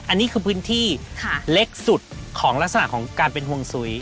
อันนี้คือพื้นที่เล็กสุดของลักษณะของการเป็นห่วงสุย